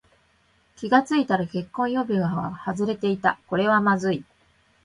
気がついたら結婚指輪が外れていた。これはまずい。